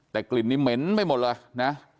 แต่กลิ่นนี้เหม็นไปหมดเลยนะ